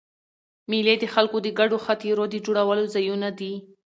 مېلې د خلکو د ګډو خاطرو د جوړولو ځایونه دي.